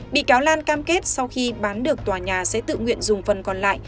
bị cáo lan cam kết sau khi bán được tòa nhà sẽ tự nguyện dùng phần còn lại